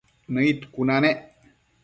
Nëid cuna nec